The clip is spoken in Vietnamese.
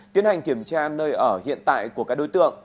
tiến hành kiểm tra nơi ở hiện tại của các đối tượng